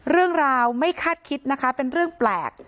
เรื่องราวไม่คาดคิดนะคะเป็นเรื่องแปลก